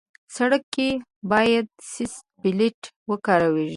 سړک کې باید سیټ بیلټ وکارېږي.